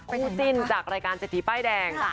คู่จิ้นจากรายการเศรษฐีป้ายแดง